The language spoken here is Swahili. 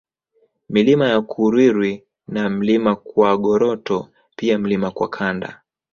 Milima ya Kurwirwi na Mlima Kwagoroto pia Mlima Kwakanda